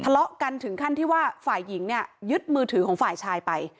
ทะเลาะกันถึงขั้นที่ว่าฝ่ายหญิงเนี่ยยึดมือถือของฝ่ายชายไป